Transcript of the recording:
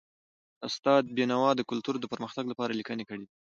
استاد بینوا د کلتور د پرمختګ لپاره لیکني کړي دي.